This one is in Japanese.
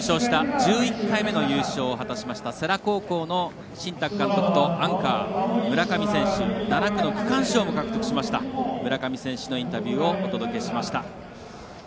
１１回目の優勝を果たしました世羅高校の新宅監督とアンカーで７区の区間賞も獲得しました村上選手のインタビューをお届けしました。